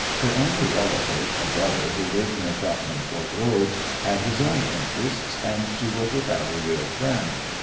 Her only relative, a brother, who lived near Tottenham Court Road, had his own interests, and she was without a real friend.